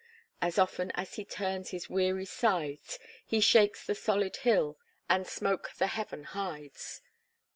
As often as he turns his weary sides, He shakes the solid hill, and smoke the heaven hides."